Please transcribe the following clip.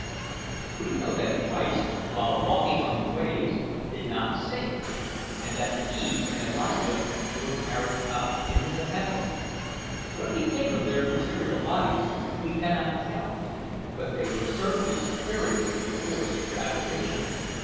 "We know that Christ, while walking on the waves, did not sink, and that he and Elijah were carried up into heaven. What became of their material bodies we cannot tell, but they were certainly superior to the force of gravitation.